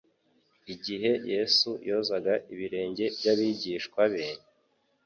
Igihe Yesu yozaga ibirenge by'abigishwa be,